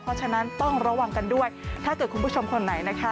เพราะฉะนั้นต้องระวังกันด้วยถ้าเกิดคุณผู้ชมคนไหนนะคะ